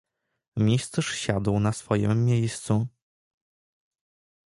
"Mistrz siadł na swojem miejscu."